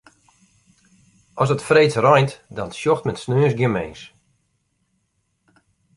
As it freeds reint, dan sjocht men sneons gjin mins.